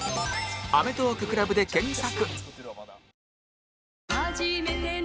「アメトーーク ＣＬＵＢ」で検索